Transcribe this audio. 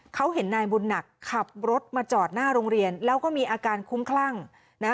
เขาเห็นนายบุญหนักขับรถมาจอดหน้าโรงเรียนแล้วก็มีอาการคุ้มคลั่งนะ